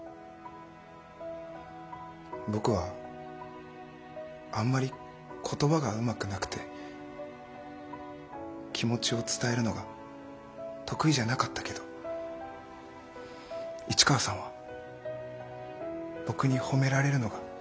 僕はあんまり言葉がうまくなくて気持ちを伝えるのが得意じゃなかったけど市川さんは僕に褒められるのがうれしいって言ってくれた。